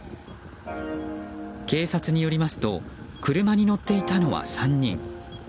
警察によりますと車に乗っていたのは３人。